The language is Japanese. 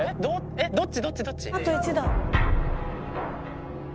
どっちどっちどっち？